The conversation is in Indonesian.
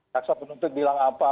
taksa penutup bilang apa